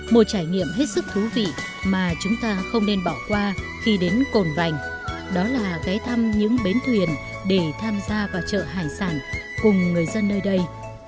một trải nghiệm hết sức thú vị mà chúng ta không nên bỏ qua khi đến cồn vành đó là ghé thăm những bến thuyền để tham gia vào chợ hải sản cùng người dân nơi đây